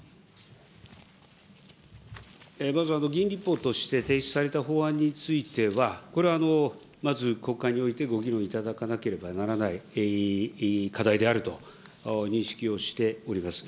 まず議員立法として提出された法案については、これはまず国会においてご議論いただかなければならない課題であると認識をしております。